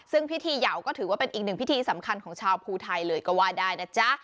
ซึ่งพิธีเหยาวก็ถือว่าเป็นอีกหนึ่งพิธีสำคัญของชาวภูไทยเลยก็ว่าได้นะจ๊ะ